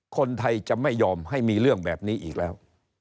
คนไทยจะไม่ยอมให้มีเรื่องแบบนี้อีกแล้ว